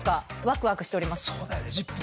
そうだよね。